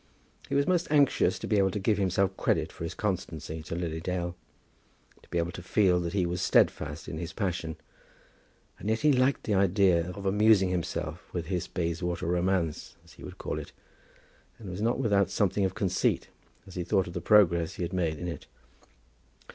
He was most anxious to be able to give himself credit for his constancy to Lily Dale; to be able to feel that he was steadfast in his passion; and yet he liked the idea of amusing himself with his Bayswater romance, as he would call it, and was not without something of conceit as he thought of the progress he had made in it.